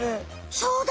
そうだ！